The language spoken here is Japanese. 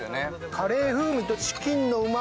カレー風味とチキンのうまみ